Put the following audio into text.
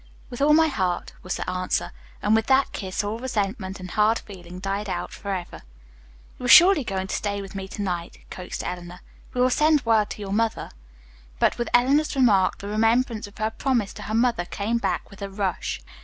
"With all my heart," was the answer. And with that kiss all resentment and hard feeling died out forever. "You are surely going to stay with me to night," coaxed Eleanor. "We will send word to your mother." But with Eleanor's remark the remembrance of her promise to her mother came back with a rush.